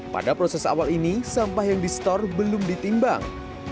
pada proses awal ini sampah yang di store belum ditimbang